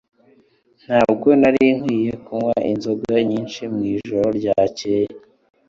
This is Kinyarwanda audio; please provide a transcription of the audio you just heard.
Ntabwo nari nkwiye kunywa inzoga nyinshi mwijoro ryakeye